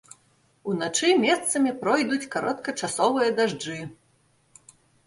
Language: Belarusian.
Уначы месцамі пройдуць кароткачасовыя дажджы.